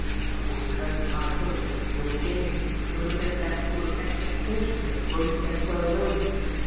Of course Curtis and I thought he was at the old game; that it was a bit of that sort of extra caution that won't let well alone.